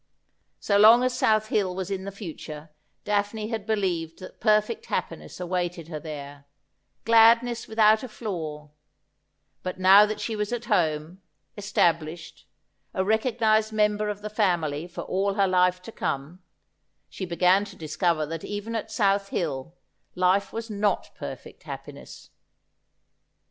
So long as South Hill was in the future Daphne had believed that perfect happiness awaited her there — gladness without a flaw — but now that she was at home, established, a recognised member of the family for all her life to come, she began to discover that even at South Hill life was not perfect happiness.